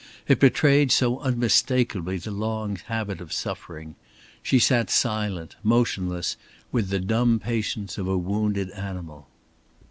It betrayed so unmistakably the long habit of suffering. She sat silent, motionless, with the dumb patience of a wounded animal.